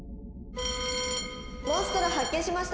「モンストロ発見しました」。